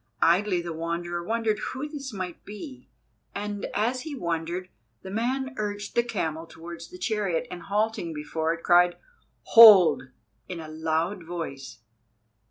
Idly the Wanderer wondered who this might be, and, as he wondered, the man urged the camel towards the chariot, and, halting before it cried "Hold!" in a loud voice.